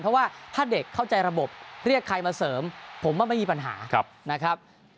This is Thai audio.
เพราะว่าถ้าเด็กเข้าใจระบบเรียกใครมาเสริมผมว่าไม่มีปัญหานะครับ